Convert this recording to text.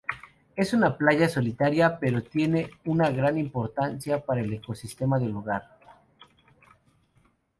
Es una playa solitaria pero tiene una gran importancia para el ecosistema del lugar.